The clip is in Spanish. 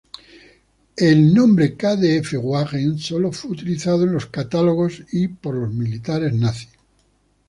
El nombre Kdf-Wagen solo fue utilizado en los catálogos y por los militares nazis.